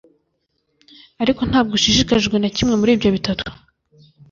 ariko ntabwo ushishikajwe na kimwe muri ibyo bitatu